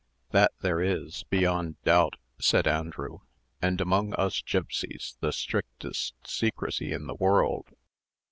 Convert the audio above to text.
"That there is, beyond doubt," said Andrew; "and among us gipsies the strictest secrecy in the world.